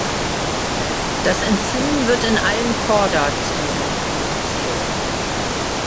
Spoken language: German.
Das Enzym wird in allen Chordatieren produziert.